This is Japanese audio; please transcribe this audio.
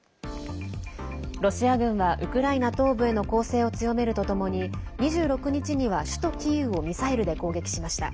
ロシア軍はウクライナ東部への攻勢を強めるとともに２６日には首都キーウをミサイルで攻撃しました。